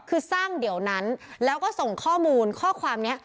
คือสร้างเดี๋ยวนั้นแล้วก็ส่งข้อมูลข้อความนี้